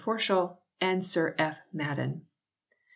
Forshall and Sir F. Madden."